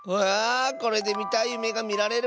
これでみたいゆめがみられるかも！